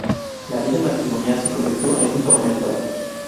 La vida matrimonial se convirtió en un tormento.